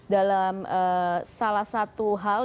dalam salah satu hal